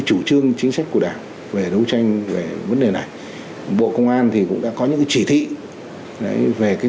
chủ trương chính sách của đảng về đấu tranh về vấn đề này bộ công an thì cũng đã có những chỉ thị về cái